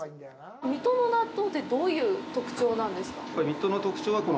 水戸の納豆ってどういう特徴なんですか。